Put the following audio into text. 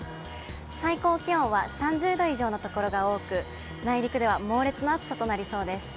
最高気温は３０度以上の所が多く、内陸では猛烈な暑さとなりそうです。